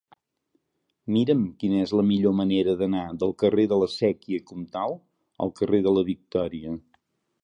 Mira'm quina és la millor manera d'anar del carrer de la Sèquia Comtal al carrer de la Victòria.